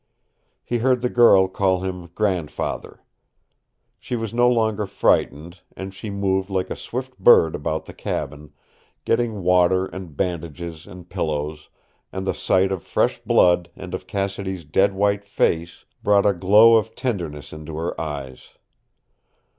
He heard the girl call him grandfather. She was no longer frightened, and she moved like a swift bird about the cabin, getting water and bandages and pillows, and the sight of fresh blood and of Cassidy's dead white face brought a glow of tenderness into her eyes.